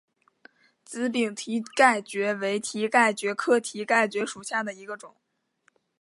紫柄蹄盖蕨为蹄盖蕨科蹄盖蕨属下的一个种。